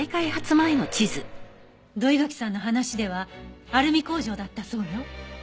土居垣さんの話ではアルミ工場だったそうよ。